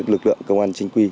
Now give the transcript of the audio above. lực lượng công an chính quy